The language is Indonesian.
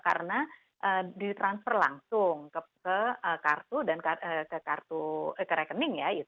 karena ditransfer langsung ke kartu dan ke rekening ya